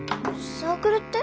サークルって？